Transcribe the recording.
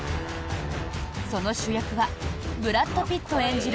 その主役はブラッド・ピット演じる